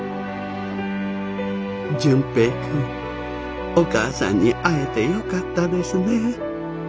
純平君お母さんに会えてよかったですね。